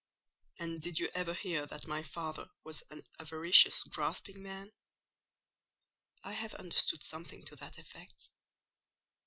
"And did you ever hear that my father was an avaricious, grasping man?" "I have understood something to that effect."